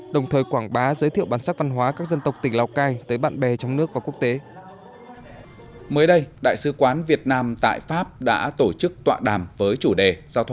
đồng thời quảng bá giới thiệu bản sắc văn hóa các dân tộc tỉnh lào cai tới bạn bè trong nước và quốc tế